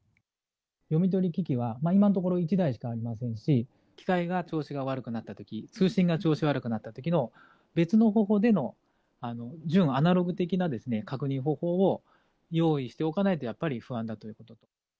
読み取り機器は今のところ、１台しかありませんし、機械が調子が悪くなったとき、通信が調子悪くなったときの別の方法での純アナログ的な確認方法を用意しておかないと、やっぱり不安だということ。